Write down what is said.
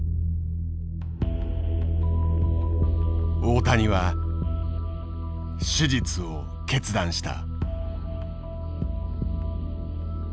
大谷は手術を決断した。